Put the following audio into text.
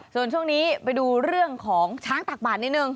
ส่วนช่วงนี้ไปดูเรื่องของช้างตักบาดนิดนึง